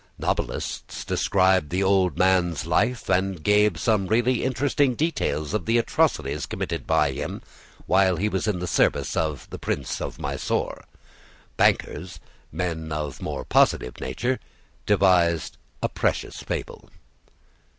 Novelists described the old man's life and gave some really interesting details of the atrocities committed by him while he was in the service of the Prince of Mysore. Bankers, men of a more positive nature, devised a specious fable.